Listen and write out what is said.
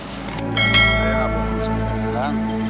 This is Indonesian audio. enggak ya ampun